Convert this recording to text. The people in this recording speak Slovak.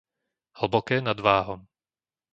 Hlboké nad Váhom